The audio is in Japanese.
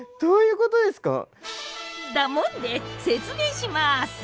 だもんで説明します！